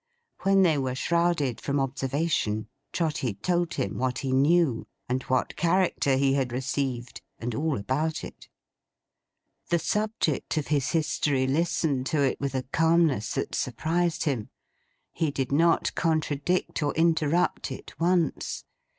When they were shrouded from observation, Trotty told him what he knew, and what character he had received, and all about it. The subject of his history listened to it with a calmness that surprised him. He did not contradict or interrupt it, once.